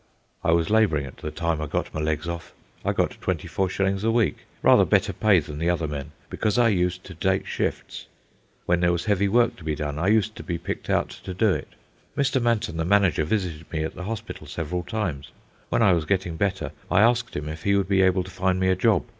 I was labouring at the time I got my legs off. I got twenty four shillings a week, rather better pay than the other men, because I used to take shifts. When there was heavy work to be done I used to be picked out to do it. Mr. Manton, the manager, visited me at the hospital several times. When I was getting better, I asked him if he would be able to find me a job.